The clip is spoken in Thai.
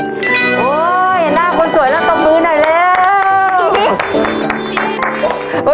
โหยน่าคนสวยละต้มมือหน่อยเร็ว